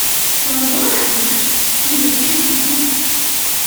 Pendant la guerre, il écrit beaucoup.